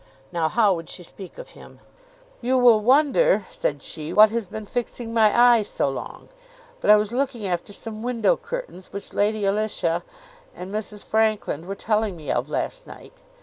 "Now, how would she speak of him?" "You will wonder," said she, "what has been fixing my eye so long; but I was looking after some window curtains, which Lady Alicia and Mrs Frankland were telling me of last night.